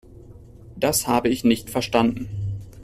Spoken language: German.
Das habe ich nicht verstanden.